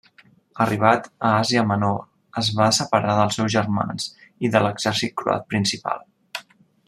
Arribat a Àsia Menor es va separar dels seus germans i de l'exèrcit croat principal.